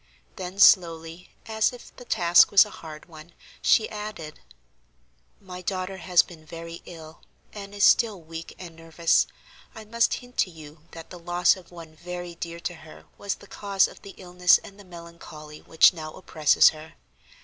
Then slowly, as if the task was a hard one, she added: "My daughter has been very ill and is still weak and nervous. I must hint to you that the loss of one very dear to her was the cause of the illness and the melancholy which now oppresses her.